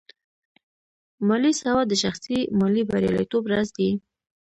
مالي سواد د شخصي مالي بریالیتوب راز دی.